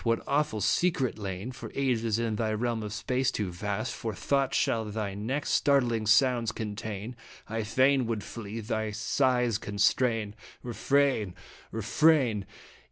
What awful secret (lain For ages in thy realm of space, too vast For thought) shall thy next startling sounds contain ? I fain would flee thy sighs constrain. Refrain ! Refrain